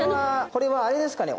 これはあれですかね？